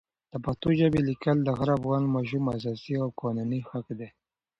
د پښتو ژبې لیکل د هر افغان ماشوم اساسي او قانوني حق دی.